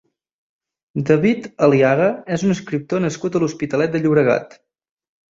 David Aliaga és un escriptor nascut a l'Hospitalet de Llobregat.